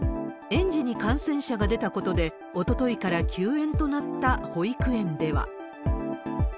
園児に感染者が出たことで、おとといから休園となった保育園では。